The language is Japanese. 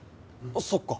そっか。